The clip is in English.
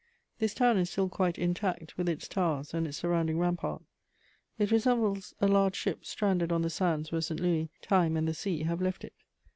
This town is still quite intact, with its towers and its surrounding rampart; it resembles a large ship stranded on the sands where St. Louis, time and the sea have left it.